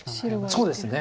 そうですね。